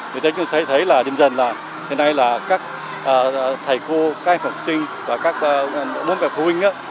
vì thế chúng ta thấy là dần dần là hiện nay là các thầy cô các em học sinh và các nôn vẹp phụ huynh